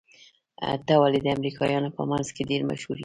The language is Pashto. ته ولې د امريکايانو په منځ کې ډېر مشهور يې؟